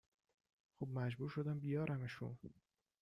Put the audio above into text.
خب مجبور شدم بیارمشون